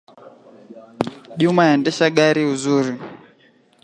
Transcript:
Juma aendesa gari uzuri